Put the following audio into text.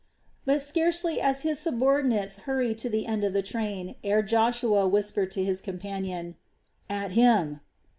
But scarcely had his subordinates hurried to the end of the train, ere Joshua whispered to his companion: "At him!"